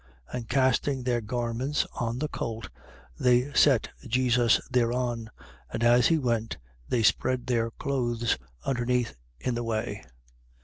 And casting their garments on the colt, they set Jesus thereon. 19:36. And as he went, they spread their clothes underneath in the way.